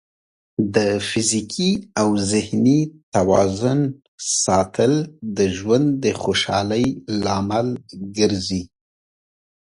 د فزیکي او ذهني توازن ساتل د ژوند د خوشحالۍ لامل ګرځي.